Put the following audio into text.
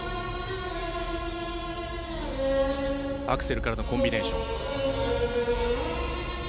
アクセルからのコンビネーション。